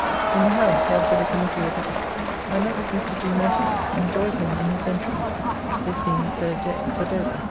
In the House, after the Committee was up, I met with Mr. G. Montagu, and joyed him in his entrance (this being his 3d day) for Dover.